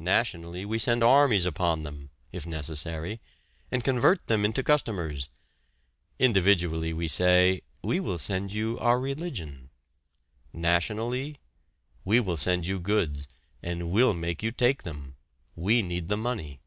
Nationally we send armies upon them (if necessary) and convert them into customers! Individually we say: "We will send you our religion." Nationally: "We will send you goods, and we'll make you take them we need the money!"